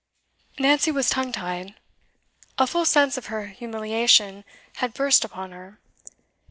Nancy was tongue tied. A full sense of her humiliation had burst upon her.